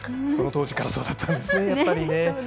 その当時からそうだったんですね。